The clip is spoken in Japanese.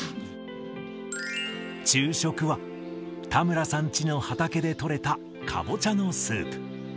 昼食は、田村さんチの畑で取れたカボチャのスープ。